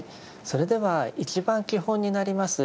それでは一番基本になります